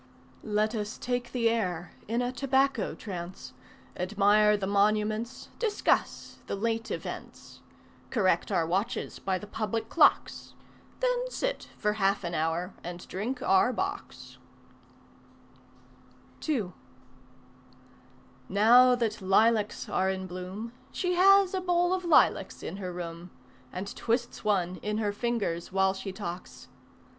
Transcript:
Let us take the air, in a tobacco trance, Admire the monuments Discuss the late events, Correct our watches by the public clocks. Then sit for half an hour and drink our bocks. II Now that lilacs are in bloom She has a bowl of lilacs in her room And twists one in her fingers while she talks.